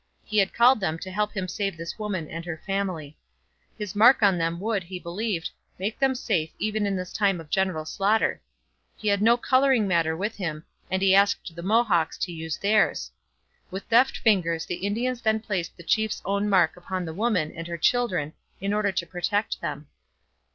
He had called them to help him save this woman and her family. His mark on them would, he believed, make them safe even in this time of general slaughter. He had no colouring matter with him and he asked the Mohawks to use theirs. With deft fingers the Indians then placed the chief's own mark upon the woman and her children in order to protect them.